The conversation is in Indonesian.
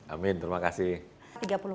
amin terima kasih